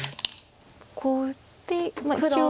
こう打って一応。